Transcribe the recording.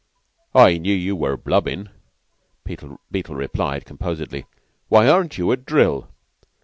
"I knew you were blubbin'," Beetle replied, composedly. "Why aren't you at drill?"